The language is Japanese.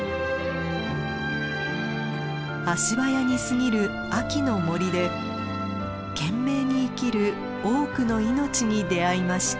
足早に過ぎる秋の森で懸命に生きる多くの命に出会いました。